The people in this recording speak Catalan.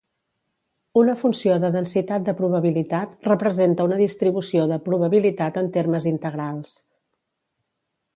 Una funció de densitat de probabilitat representa una distribució de probabilitat en termes integrals